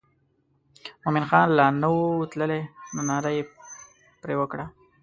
مومن خان لا نه و تللی نو ناره یې پر وکړه.